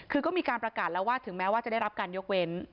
คือก็มีการประกาศแล้วว่าถึงแม้ว่าจะได้รับการยกเว้น